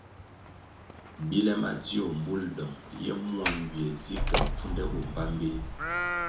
Bile madzio mbul dong ye mua nywie zi ke mpfunde bo mbpambeh.